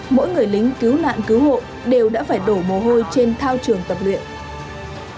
mỗi người lính cứu nạn cứu hộ đều đã phải đổ mồ hôi trên thao trường tập luyện